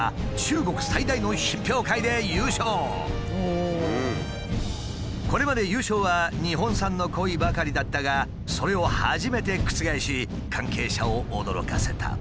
おととしこれまで優勝は日本産のコイばかりだったがそれを初めて覆し関係者を驚かせた。